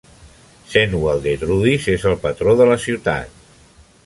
Saint-Waldetrudis és el patró de la ciutat.